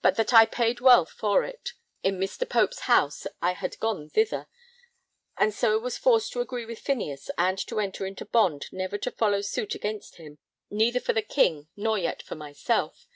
But that I paid well for it in Mr. Pope's house I had gone thither; and so was forced to agree with Phineas and to enter into bond never to follow suit against him, neither for the King nor yet for myself.'